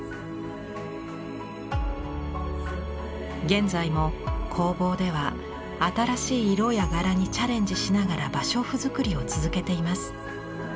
現在も工房では新しい色や柄にチャレンジしながら芭蕉布作りを続けています。